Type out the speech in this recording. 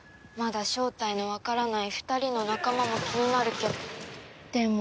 まだ正体のわからない２人の仲間も気になるけど。